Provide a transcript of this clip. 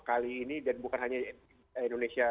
kali ini dan bukan hanya indonesia